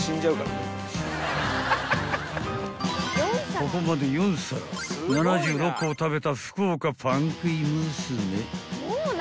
［ここまで４皿７６個を食べた福岡パン食い娘］